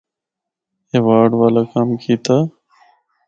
ایوارڈ والا کم کیتا۔